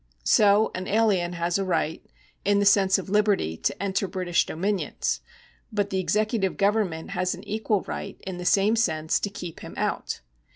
So an alien has a right, in the sense of liberty, to enter British dominions, but the executive 192 LEGAL RIGHTS [§ 75 governraonl has an oquul riglit, in the same sense, to keej) him out.